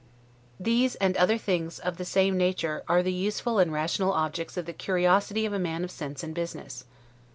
These and other things of the same nature, are the useful and rational objects of the curiosity of a man of sense and business.